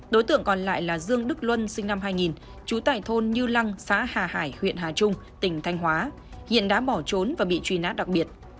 đối tượng còn lại là dương đức luân sinh năm hai nghìn trú tại thôn như lăng xã hà hải huyện hà trung tỉnh thanh hóa hiện đã bỏ trốn và bị truy nã đặc biệt